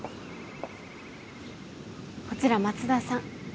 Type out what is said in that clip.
こちら松田さん